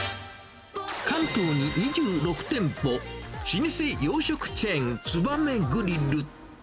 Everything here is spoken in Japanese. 関東に２６店舗、老舗洋食チェーン、つばめグリル。